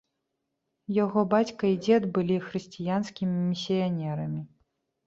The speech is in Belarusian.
Яго бацька і дзед былі хрысціянскімі місіянерамі.